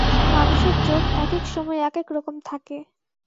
মানুষের চোখ একেক সময় একেক রকম থাকে।